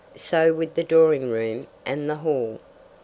So with the drawing room and the hall.